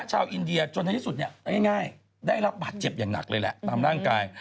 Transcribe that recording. ชาวอินเดียจนในที่สุดเนี่ยง่ายได้รับบาดเจ็บอย่างหนักเลยแหละตามร่างกาย